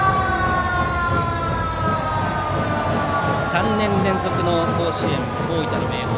３年連続の甲子園、大分の明豊。